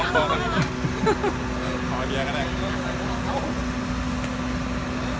พวกมันอยู่ในเอียงแม่งและอยู่ในอุโมงไฟน์สุดท้าย